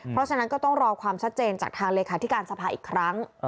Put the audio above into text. เพราะฉะนั้นก็ต้องรอความชัดเจนจากทางเลขาธิการสภาอีกครั้ง